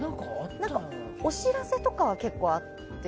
お知らせとかは結構あって。